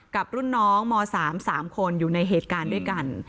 กับรุ่นน้องม๓๓คนอยู่ในเหตุการณ์ด้วยกัน